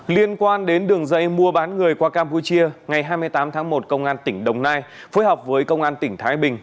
liên quan đến đường dây mua bán người qua campuchia ngày hai mươi tám tháng một công an tỉnh đồng nai phối hợp với công an tỉnh thái bình